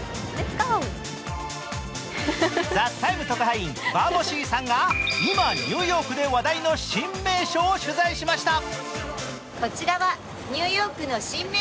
特派員バモシーさんが今ニューヨークで話題の新名所を取材しました。